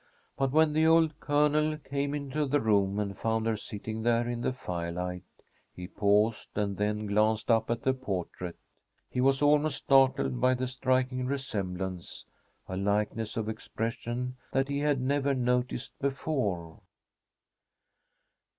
But when the old Colonel came into the room and found her sitting there in the firelight, he paused and then glanced up at the portrait. He was almost startled by the striking resemblance, a likeness of expression that he had never noticed before.